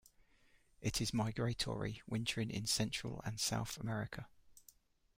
It is migratory, wintering in Central and South America.